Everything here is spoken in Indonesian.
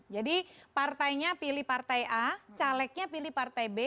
jadi partainya pilih partai a caleknya pilih partai b